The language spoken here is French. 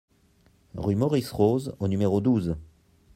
Rue Maurice Rose au numéro douze